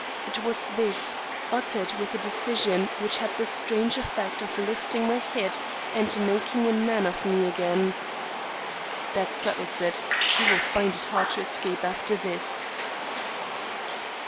It was this, uttered with a decision which had the strange effect of lifting my head and making a man of me again: "That settles it. He will find it hard to escape after this."